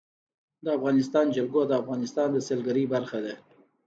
د افغانستان جلکو د افغانستان د سیلګرۍ برخه ده.